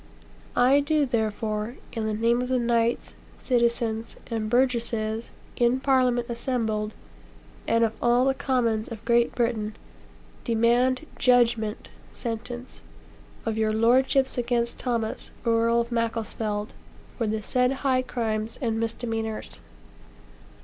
I do, therefore, in the name of the knights, citizens, and burgesses, in Parliament assembled, and of all the commons of Great Britain, demand judgment (sentence) of your lordships against Thomas, Earl of Macclesfield, for the said high crimes and misdemeanors.'